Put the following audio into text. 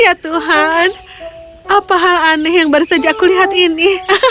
ya tuhan apa hal aneh yang baru saja aku lihat ini